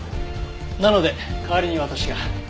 なので代わりに私が。